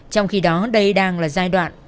trong khi đó đây đang là giai đoạn